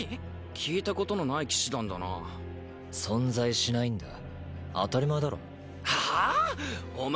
聞いたことのない騎士団だな存在しないんだ当たり前だろはあ！？お前